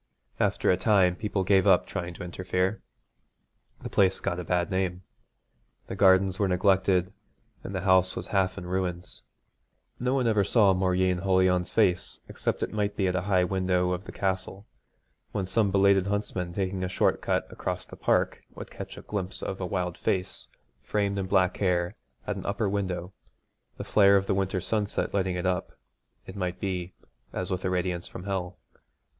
After a time people gave up trying to interfere. The place got a bad name. The gardens were neglected and the house was half in ruins. No one ever saw Mauryeen Holion's face except it might be at a high window of the castle, when some belated huntsman taking a short cut across the park would catch a glimpse of a wild face framed in black hair at an upper window, the flare of the winter sunset lighting it up, it might be, as with a radiance from hell.